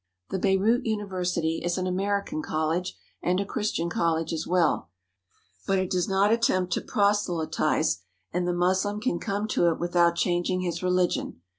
The Beirut University is an American college and a Christian college as well, but it does not attempt to prose lytize, and the Moslem can come to it without changing his religion.